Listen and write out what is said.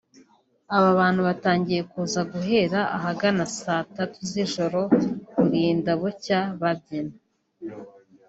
Aba bantu batangiye kuza guhera ahagana saa tatu z’ijoro burinda bucya babyina